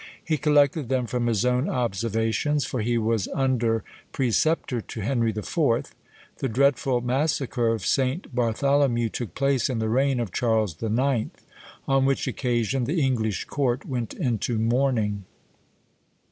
He collected them from his own observations, for he was under preceptor to Henry IV. The dreadful massacre of St. Bartholomew took place in the reign of Charles IX.; on which occasion the English court went into mourning.